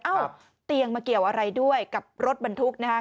เตียงมาเกี่ยวอะไรด้วยกับรถบรรทุกนะครับ